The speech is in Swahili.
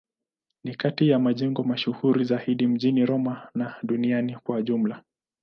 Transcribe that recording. Ni kati ya majengo mashuhuri zaidi mjini Roma na duniani kwa ujumla.